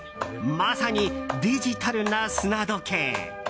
まさにデジタルな砂時計。